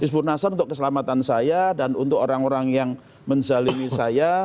guspur nasr untuk keselamatan saya dan untuk orang orang yang menjalimi saya